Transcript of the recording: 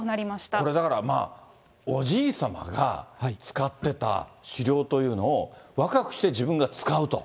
これ、だからおじい様が使ってた首領というのを、若くして自分が使うと。